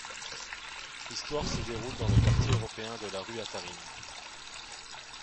L'histoire se déroule dans le quartier européen de la rue Attarine.